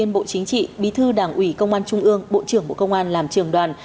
bí thư đảng ủy công an trung ương bộ trưởng bộ công an làm trường đoàn